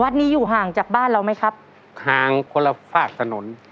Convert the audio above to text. นี้อยู่ห่างจากบ้านเราไหมครับห่างคนละฝากถนน